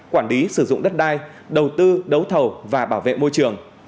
quản lý sử dụng đất đai đầu tư đấu thầu và bảo vệ môi trường